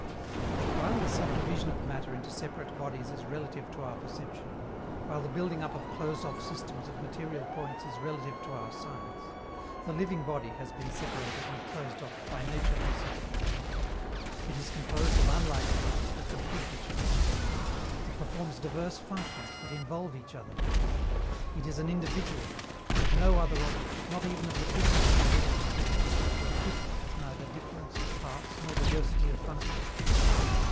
But, while the subdivision of matter into separate bodies is relative to our perception, while the building up of closed off systems of material points is relative to our science, the living body has been separated and closed off by nature herself. It is composed of unlike parts that complete each other. It performs diverse functions that involve each other. It is an individual, and of no other object, not even of the crystal, can this be said, for a crystal has neither difference of parts nor diversity of functions.